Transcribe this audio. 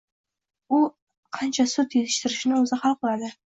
U qancha sut yetishtirishni o‘zi hal qiladi.